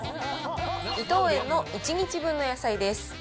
伊藤園の１日分の野菜です。